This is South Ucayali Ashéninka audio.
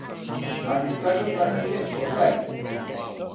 Amitakotakiro ojari